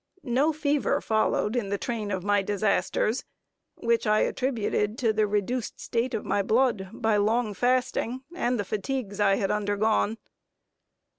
No fever followed in the train of my disasters, which I attributed to the reduced state of my blood, by long fasting, and the fatigues I had undergone.